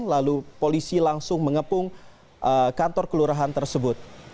lalu polisi langsung mengepung kantor kelurahan tersebut